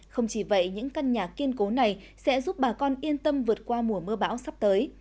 không chỉ vậy những căn nhà kiên cố này sẽ giúp bà con yên tâm vượt qua mùa mưa bão sắp tới